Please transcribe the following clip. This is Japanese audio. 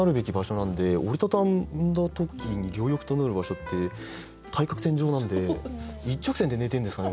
なんで折り畳んだ時に両翼となる場所って対角線上なんで一直線で寝てるんですかね